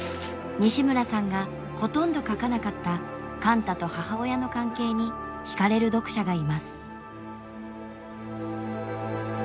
西村さんがほとんど書かなかった貫多と母親の関係にひかれる読者がいます。